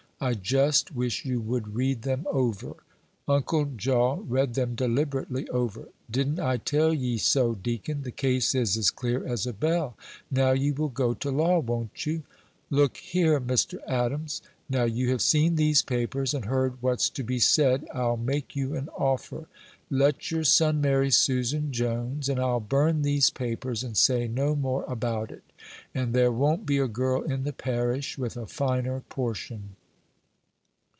I just wish you would read them over." Uncle Jaw read them deliberately over. "Didn't I tell ye so, deacon? The case is as clear as a bell: now ye will go to law, won't you?" "Look here, Mr. Adams; now you have seen these papers, and heard what's to be said, I'll make you an offer. Let your son marry Susan Jones, and I'll burn these papers and say no more about it, and there won't be a girl in the parish with a finer portion."